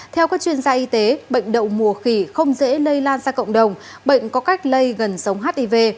theo các chuyên gia y tế bệnh đậu mùa khỉ không dễ lây lan ra cộng đồng bệnh có cách lây gần sống hiv